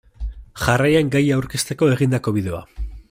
Jarraian gaia aurkezteko egindako bideoa.